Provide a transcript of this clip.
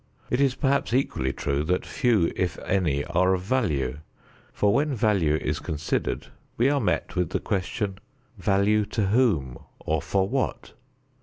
It is perhaps equally true that few if any are of value, for when value is considered we are met with the question: "Value to whom, or for what?"